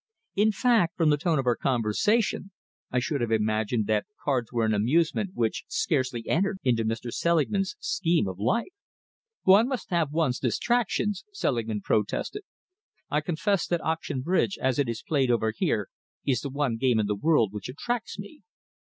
In fact, from the tone of our conversation, I should have imagined that cards were an amusement which scarcely entered into Mr. Selingman's scheme of life." "One must have one's distractions," Selingman protested. "I confess that auction bridge, as it is played over here, is the one game in the world which attracts me."